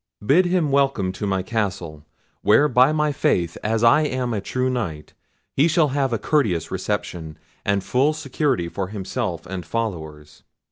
Bid him welcome to my castle, where by my faith, as I am a true Knight, he shall have courteous reception, and full security for himself and followers.